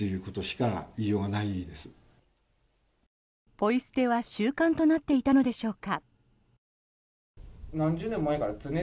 ポイ捨ては習慣となっていたのでしょうか。